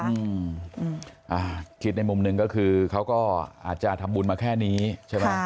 อืมอ่าคิดในมุมหนึ่งก็คือเขาก็อาจจะทำบุญมาแค่นี้ใช่ไหม